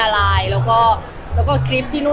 แต่เรายืนยังได้ว่ากับพี่นิกกี้คือ